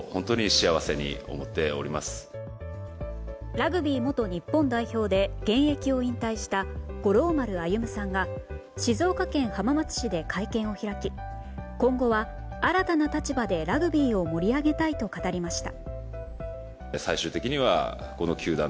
ラグビー元日本代表で現役を引退した五郎丸歩さんが静岡県浜松市で会見を開き今後は新たな立場でラグビーを盛り上げたいと語りました。